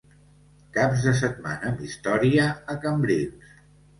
Caps de setmana amb història a Cambrils.